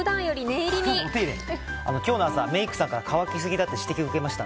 今日の朝、メイクさんから乾きすぎだって指摘を受けました。